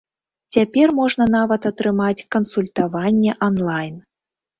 Цяпер можна нават атрымаць кансультаванне онлайн.